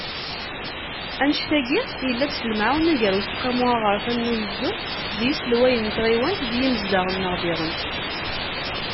Annect-agi, yella-d s lemɛawna gar Useqqamu Aɣerfan n Ugezdu d yiselwayen n tɣiwanin d yimezdaɣ-nneɣ diɣen.